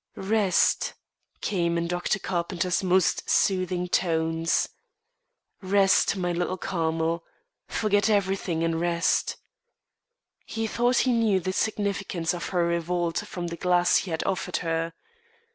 "Rest," came in Dr. Carpenter's most soothing tones. "Rest, my little Carmel; forget everything and rest." He thought he knew the significance of her revolt from the glass he had offered her.